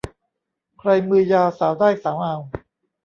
ใครมือยาวสาวได้สาวเอา